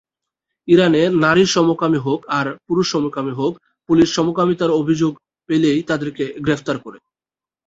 ইরানে নারী সমকামী হোক আর পুরুষ সমকামী হোক, পুলিশ সমকামিতার অভিযোগ পেলেই তাদেরকে গ্রেফতার করে।